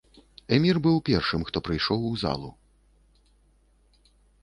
Эмір быў першым, хто прыйшоў у залу.